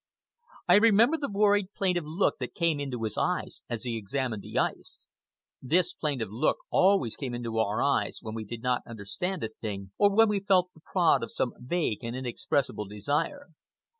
I remember the worried, plaintive look that came into his eyes as he examined the ice. (This plaintive look always came into our eyes when we did not understand a thing, or when we felt the prod of some vague and inexpressible desire.)